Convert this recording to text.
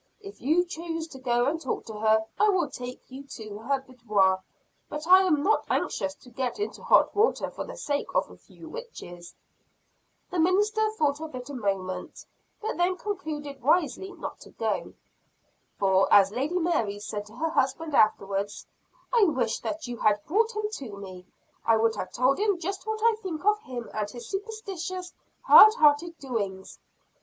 "If you choose to go and talk to her, I will take you to her boudoir; but I am not anxious to get into hot water for the sake of a few witches." The minister thought of it a moment; but then concluded wisely not to go. For, as Lady Mary said to her husband afterwards, "I wish that you had brought him to me. I would have told him just what I think of him, and his superstitious, hard hearted doings.